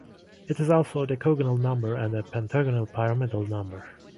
It is also a decagonal number and a pentagonal pyramidal number.